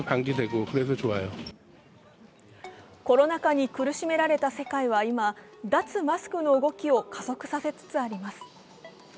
コロナ禍に苦しめられた世界は今、脱マスクの動きを加速させつつあります。